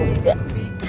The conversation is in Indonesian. masak bulu enggak